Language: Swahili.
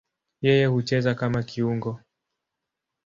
Yeye hucheza kama kiungo.